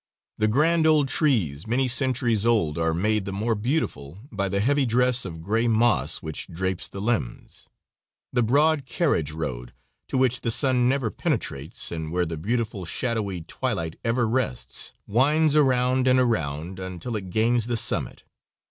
The grand old trees, many centuries old, are made the more beautiful by the heavy dress of gray moss which drapes the limbs. The broad carriage road, to which the sun never penetrates, and where the beautiful, shadowy twilight ever rests, winds around and around until it gains the summit.